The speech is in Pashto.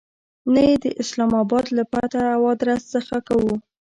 نه یې د اسلام آباد له پته او آدرس څخه کوو.